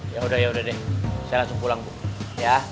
yaudah yaudah deh saya langsung pulang ya